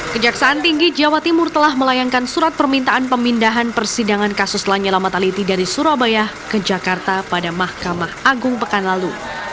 kejaksaan tinggi jawa timur telah melayangkan surat permintaan pemindahan persidangan kasus lanyala mataliti dari surabaya ke jakarta pada mahkamah agung pekan lalu